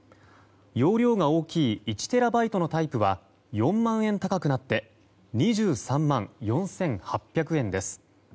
容量が大きい１テラバイトのタイプは４万円高くなって２３万４８００円です。